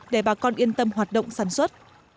để bà con yên tâm hoạt động sản xuất